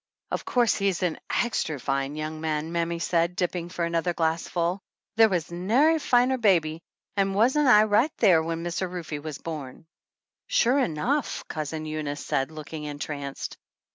"Of course he's a extry fine young man!" mammy said, dipping for another glassful. "There never was nary finer baby an' wasn't I right there when Mr. Rufe was born?" "Sure enough!" Cousin Eunice said, looking entranced.